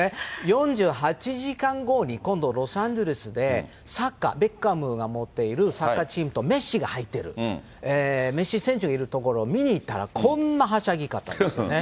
４８時間後に、今度、ロサンゼルスでサッカー、ベッカムが持っているサッカーチームとメッシが入っている、メッシ選手がいるところを見に行ったらこんなはしゃぎ方ですよね。